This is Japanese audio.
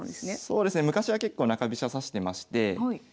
そうですね昔は結構中飛車指してまして。